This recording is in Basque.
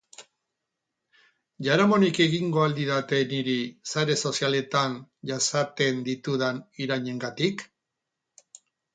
Jaramonik egingo al didate niri sare sozialetan jasaten ditudan irainengatik?